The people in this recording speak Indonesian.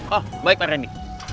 oh baik pak randy